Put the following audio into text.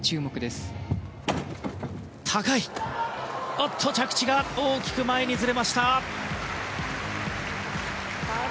しかし、着地が大きく前にずれました。